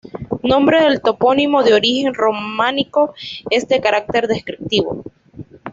Nombre del topónimo de origen románico, es de carácter descriptivo.